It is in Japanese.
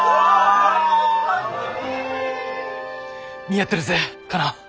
似合ってるぜカナ。